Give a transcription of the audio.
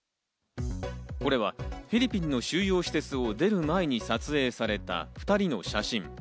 これはフィリピンの収容施設を出る前に撮影された２人の写真。